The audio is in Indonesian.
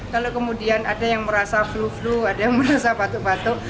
kalau kemudian ada yang merasa flu flu ada yang merasa batuk batuk